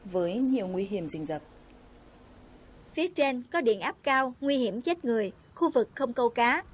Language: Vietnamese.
phía trên có điện áp cao nguy hiểm chết người khu vực không câu cá